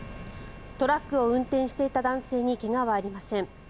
トラックを運転していた男性に怪我はありません。